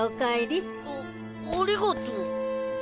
あありがとう。